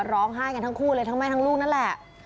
ร้องไห้กันทั้งคู่เลยทั้งแม่ทั้งลูกนั่นแหละ